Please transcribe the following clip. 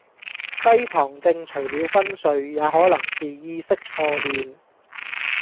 低糖症除了昏睡，也可能是意識錯亂